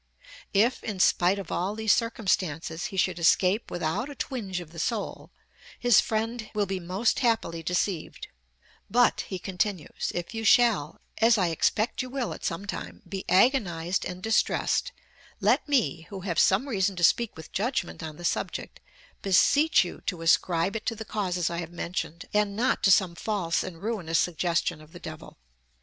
If in spite of all these circumstances he should escape without a "twinge of the soul," his friend will be most happily deceived; but, he continues, "if you shall, as I expect you will at some time, be agonized and distressed, let me, who have some reason to speak with judgment on the subject, beseech you to ascribe it to the causes I have mentioned, and not to some false and ruinous suggestion of the devil."